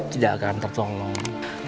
tidak akan tertolong